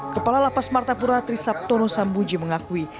kepala lapas martapura trisabtono sambuji mengakui